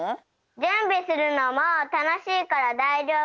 じゅんびするのもたのしいからだいじょうぶ！